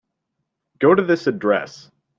Go to this address.